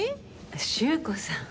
修子さん。